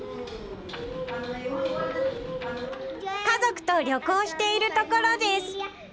家族と旅行しているところです。